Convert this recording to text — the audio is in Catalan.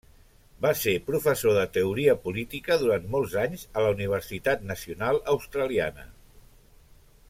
Va ser professor de teoria política durant molts anys a la Universitat Nacional Australiana.